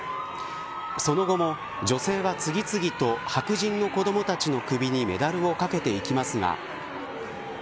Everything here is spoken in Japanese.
その後も、女性は次々と白人の子どもたちの首にメダルを掛けていきますが。